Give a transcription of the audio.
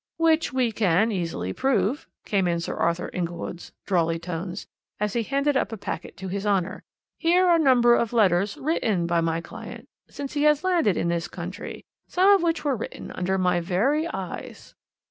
"'Which we can easily prove,' came in Sir Arthur Inglewood's drawly tones, as he handed up a packet to his Honour; 'here are a number of letters written by my client since he has landed in this country, and some of which were written under my very eyes.'